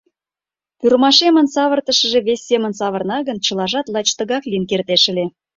Пӱрымашемын савыртышыже вес семын савырна гын, чылажат лач тыгак лийын кертеш ыле.